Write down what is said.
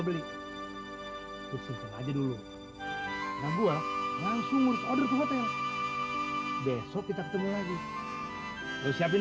beli hai bersumpah aja dulu nah gua langsung order ke hotel besok kita ketemu lagi lu siapin